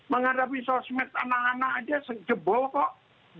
menghadapi sosmed anak anak saja sejebol kok